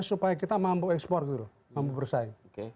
supaya kita mampu ekspor gitu loh mampu bersaing